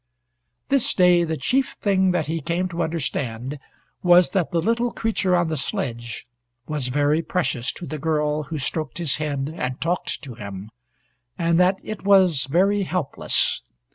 This day the chief thing that he came to understand was that the little creature on the sledge was very precious to the girl who stroked his head and talked to him, and that it was very helpless.